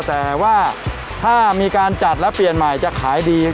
แต่ว่าถ้ามีการจัดแล้วเปลี่ยนใหม่จะขายดี